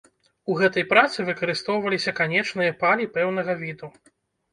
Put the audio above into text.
У гэтай працы выкарыстоўваліся канечныя палі пэўнага віду.